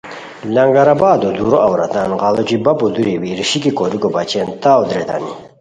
لنگرآبادو دُورو عورتان غیڑوچی بپو دُوری ریشیکی کوریکو بچین تاؤ دریتانی